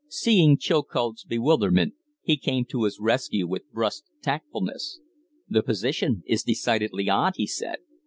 Seeing Chilcote's bewilderment, he came to his rescue with brusque tactfulness. "The position is decidedly odd," he said.